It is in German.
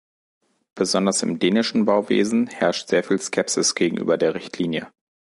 Besonders im dänischen Bauwesen herrscht sehr viel Skepsis gegenüber der Richtlinie.